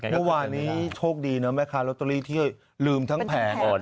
เมื่อวานนี้โชคดีนะแม่ค้าลอตเตอรี่ที่ลืมทั้งแผง